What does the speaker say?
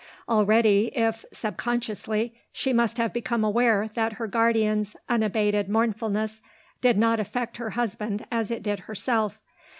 Already, if sub consciously, she must have become aware that her guardian's unabated mournfulness did not affect her husband as it did herself.